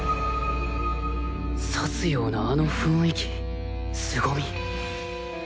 刺すようなあの雰囲気凄み